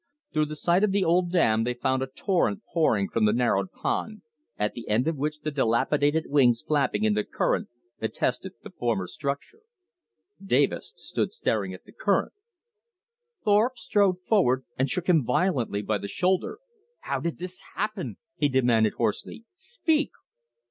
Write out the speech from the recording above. Through the site of the old dam they found a torrent pouring from the narrowed pond, at the end of which the dilapidated wings flapping in the current attested the former structure. Davis stood staring at the current. Thorpe strode forward and shook him violently by the shoulder. "How did this happen?" he demanded hoarsely. "Speak!"